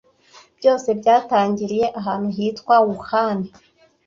Byose byatangiriye ahantu hitwa Wuhan